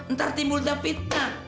ntar timbul dah fitnah